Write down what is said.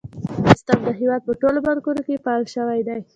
دا سیستم د هیواد په ټولو بانکونو کې فعال شوی دی۔